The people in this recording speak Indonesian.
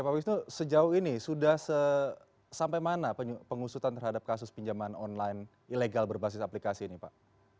pak wisnu sejauh ini sudah sampai mana pengusutan terhadap kasus pinjaman online ilegal berbasis aplikasi ini pak